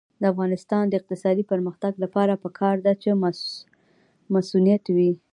د افغانستان د اقتصادي پرمختګ لپاره پکار ده چې مصونیت وي.